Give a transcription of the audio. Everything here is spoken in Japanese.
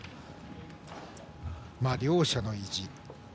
両者の意地。